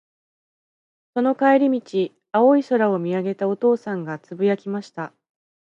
その帰り道、青い空を見上げたお父さんが、つぶやきました。